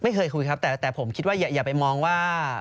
เคยคุยครับแต่ผมคิดว่าอย่าไปมองว่า